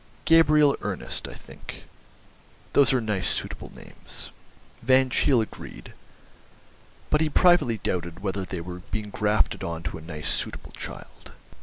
"Gabriel Ernest, I think; those are nice suitable names." Van Cheele agreed, but he privately doubted whether they were being grafted on to a nice suitable child.